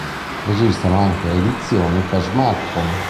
Ne esistono anche edizioni per smartphone.